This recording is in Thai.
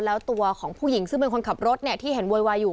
แล้วตัวของผู้หญิงซึ่งเป็นคนขับรถที่เห็นโวยวายอยู่